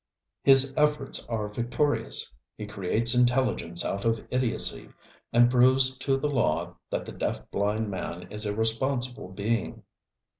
His efforts are victorious. He creates intelligence out of idiocy and proves to the law that the deaf blind man is a responsible being.